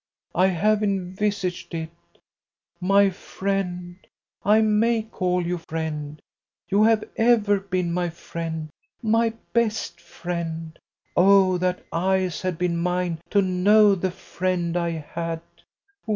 "I have envisaged it. My friend I may call you friend; you have ever been my friend, my best friend! oh, that eyes had been mine to know the friend I had!